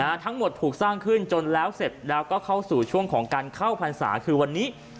ทั้งหมดถูกสร้างขึ้นจนแล้วเสร็จแล้วก็เข้าสู่ช่วงของการเข้าพรรษาคือวันนี้